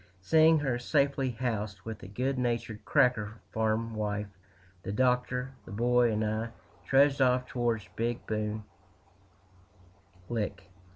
Seeing her safely housed with the good natured "cracker" farm wife, the Doctor, the Boy, and I trudged off toward Big Bone Lick.